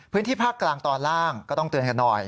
พื้นที่ภาคกลางตอนล่างก็ต้องเตือนกันหน่อย